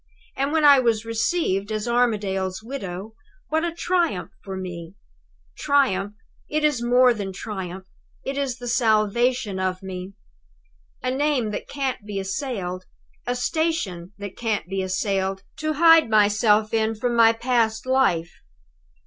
And when I was received as Armadale's widow what a triumph for me. Triumph! It is more than triumph it is the salvation of me. A name that can't be assailed, a station that can't be assailed, to hide myself in from my past life!